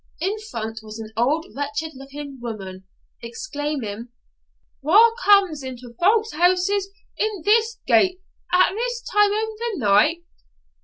In front was an old wretched looking woman, exclaiming, 'Wha comes into folk's houses in this gate, at this time o' the night?'